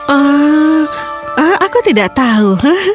oh aku tidak tahu